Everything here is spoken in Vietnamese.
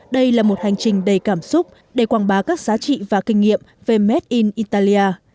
đây là một hành trình đầy cảm xúc để quảng bá các giá trị và kinh nghiệm về made in italia